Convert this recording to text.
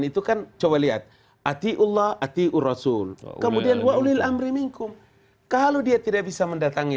itu kan coba lihat atiullah atiur rasul kemudian waulil amrim inkum kalau dia tidak bisa mendatangi